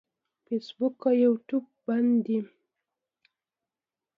فیسبوک او یوټیوب بند دي.